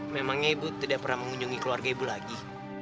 memangnya ibu tidak pernah mengunjungi keluarga ibu lagi